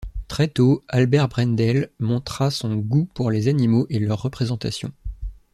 Très tôt, Albert Brendel montra son goût pour les animaux et leur représentation.